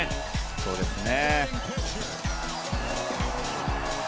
そうですね。